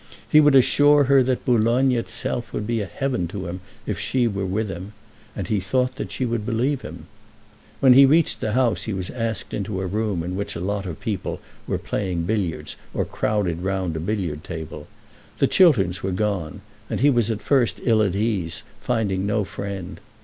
He would assure her that Boulogne itself would be a heaven to him if she were with him, and he thought that she would believe him. When he reached the house he was asked into a room in which a lot of people were playing billiards or crowded round a billiard table. The Chilterns were gone, and he was at first ill at ease, finding no friend.